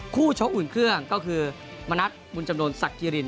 ชกอุ่นเครื่องก็คือมณัฐบุญจำนวนสักกิริน